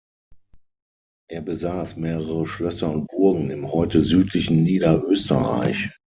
Er besaß mehrere Schlösser und Burgen im heute südlichen Niederösterreich.